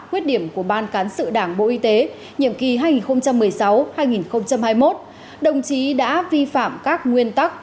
khuyết điểm của ban cán sự đảng bộ y tế nhiệm kỳ hai nghìn một mươi sáu hai nghìn hai mươi một đồng chí đã vi phạm các nguyên tắc